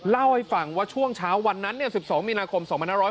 เล่าให้ฟังว่าช่วงเช้าวันนั้น๑๒มีนาคม๒๕๖๐